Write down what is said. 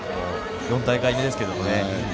４大会目ですけどね